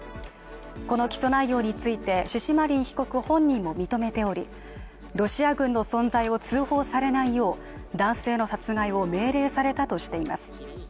この起訴内容についてシシマリン被告本人も認めておりロシア軍の存在を通報されないよう男性の殺害を命令されたとしています。